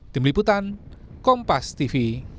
tim liputan kompas tv